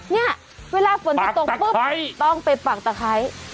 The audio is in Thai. เนี่ยเวลาฝนจะตกปุ๊บต้องไปปักตะไคร้